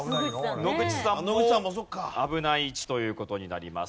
野口さんも危ない位置という事になります。